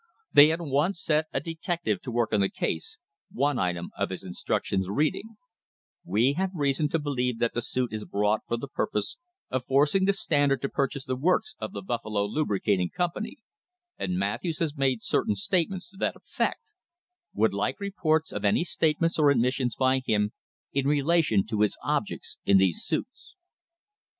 They at once set a detective to work on the case, one item of his instructions reading: "We have reason to believe that the suit is brought for the purpose of forcing the Standard to purchase the works of the Buffalo Lubricating Company, and Matthews has made certain state ments to that effect; would like reports of any statements or admissions by him in relation to his objects in these suits."